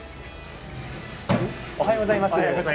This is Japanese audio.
おはようございます。